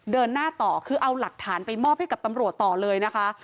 เดินหน้าต่อคือเอาหลักฐานไปมอบให้กับตำรวจต่อเลยนะคะ